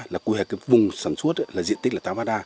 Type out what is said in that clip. là quy hoạch cái vùng sản xuất là diện tích là tám ba đa